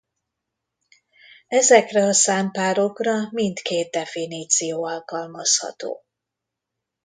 Ezekre a számpárokra mindkét definíció alkalmazható.